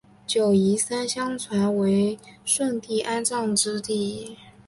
九嶷山相传为舜帝安葬之地。